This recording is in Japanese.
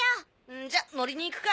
んじゃ乗りに行くか。